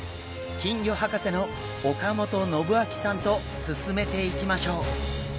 金魚博士の岡本信明さんと進めていきましょう。